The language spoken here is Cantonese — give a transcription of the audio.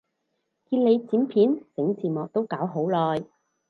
見你剪片整字幕都搞好耐